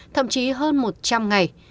thậm chí hơn một trăm linh ngày